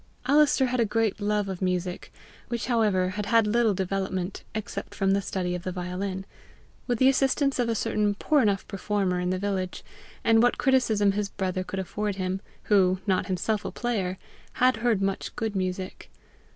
Alister had a great love of music, which however had had little development except from the study of the violin, with the assistance of a certain poor enough performer in the village, and what criticism his brother could afford him, who, not himself a player, had heard much good music.